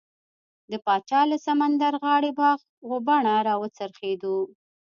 د پاچا له سمندرغاړې باغ و بڼه راوڅرخېدو.